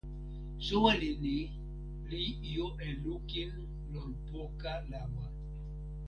soweli ni li jo e lukin lon poka lawa.